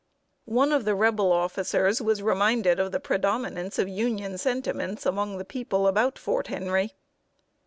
One of the Rebel officers was reminded of the predominance of Union sentiments among the people about Fort Henry.